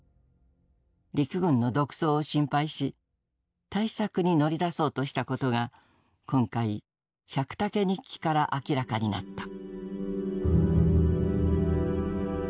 陸軍の独走を心配し対策に乗り出そうとしたことが今回「百武日記」から明らかになった。